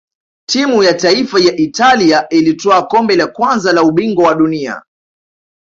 timu ya taifa ya italia ilitwaa kombe la kwanza la ubingwa wa dunia